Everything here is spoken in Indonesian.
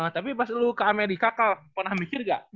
tapi pas lu ke amerika kah pernah mikir gak